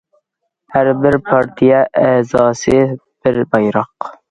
ھەر بىر پارتىيە ئەزاسى بىر بايراق.